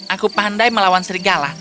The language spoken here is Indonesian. aku pandai melawan serigala